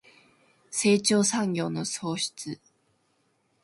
成長産業の創出